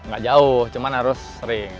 gak jauh cuman harus sering